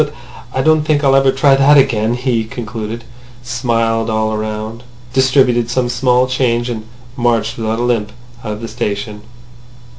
"But I don't think I'll ever try that again," he concluded; smiled all round; distributed some small change, and marched without a limp out of the station.